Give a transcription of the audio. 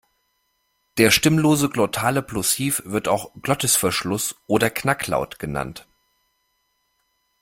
Der stimmlose glottale Plosiv wird auch Glottisverschluss oder Knacklaut genannt.